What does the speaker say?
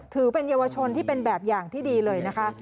ถือเป็นเยาวชนที่เป็นแบบอย่างที่ดีเลยนะคะ